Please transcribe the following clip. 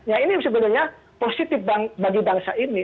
ya ini sebenarnya positif bagi bangsa ini